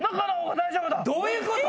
どういうこと？